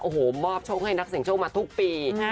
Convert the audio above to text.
โอ้โหมอบโชคให้นักเสียงโชคมาทุกปี